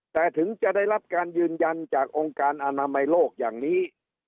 แต่ถึงจะได้รับการยืนยันจากองค์การอนามัยโลกอย่างนี้